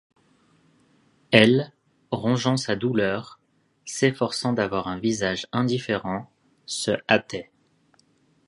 Elle, rongeant sa douleur, s'efforçant d'avoir un visage indifférent, se hâtait.